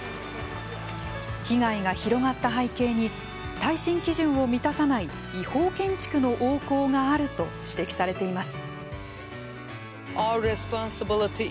被害が広がった背景に耐震基準を満たさない違法建築の横行があると指摘されています。